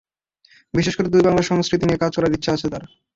বিশেষ করে দুই বাংলার সংস্কৃতি নিয়ে কাজ করার ইচ্ছা আছে তাঁর।